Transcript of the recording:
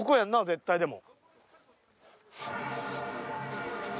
絶対でも。